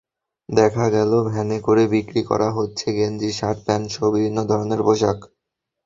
দেখা গেল, ভ্যানে করে বিক্রি করা হচ্ছে গেঞ্জি, শার্ট, প্যান্টসহ বিভিন্ন ধরনের পোশাক।